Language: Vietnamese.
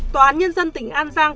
tòa án nhân dân tỉnh an giang